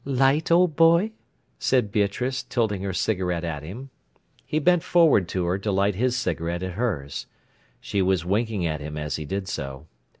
"Light, old boy?" said Beatrice, tilting her cigarette at him. He bent forward to her to light his cigarette at hers. She was winking at him as he did so.